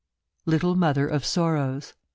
LITTLE MOTHER OF SORROWS.